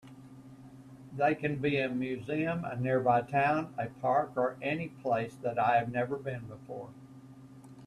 They can be a museum, a nearby town, a park, or any place that I have never been before.